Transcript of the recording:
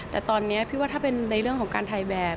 แต่ตอนนี้พี่ว่าถ้าเป็นในเรื่องของการถ่ายแบบ